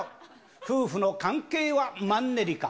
夫婦の関係はマンネリ化。